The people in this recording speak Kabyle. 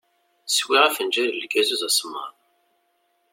Swiɣ afenǧal n lgazuz asemmaḍ.